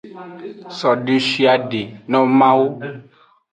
So deshiade no mawu.